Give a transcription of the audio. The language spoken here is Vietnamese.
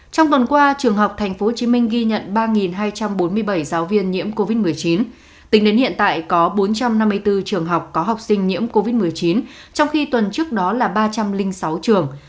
trong tuần qua trường học tp hcm ghi nhận ba hai trăm bốn mươi bảy giáo viên nhiễm covid một mươi chín tính đến hiện tại có bốn trăm năm mươi bốn trường học có học sinh nhiễm covid một mươi chín trong khi tuần trước đó là ba trăm linh sáu trường